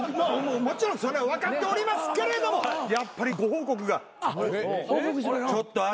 もちろんそれは分かっておりますけれどもやっぱりご報告がちょっとあるんでございます。